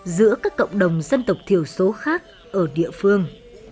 giữa các cộng đồng dân tộc thiểu số khác ở địa phương